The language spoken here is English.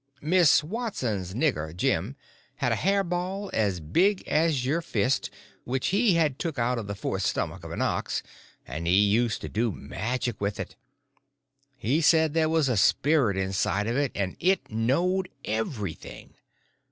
Miss Watson's nigger, Jim, had a hair ball as big as your fist, which had been took out of the fourth stomach of an ox, and he used to do magic with it. He said there was a spirit inside of it, and it knowed everything.